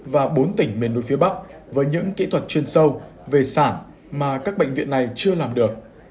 và bốn tỉnh miền núi phía bắc với những kỹ thuật chuyên sâu về sản mà các bệnh viện này chưa làm được